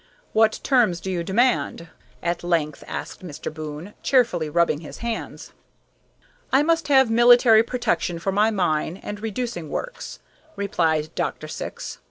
"What terms do you demand?" at length asked Mr. Boon, cheerfully rubbing his hands. "I must have military protection for my mine and reducing works," replied Dr. Syx.